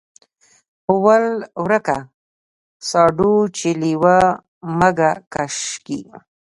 ول ورکه ساډو چې لېوه مږه کش کي.